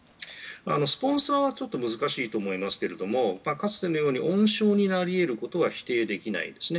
スポンサーは難しいと思いますけれどもかつてのように温床になり得ることは否定できないですね。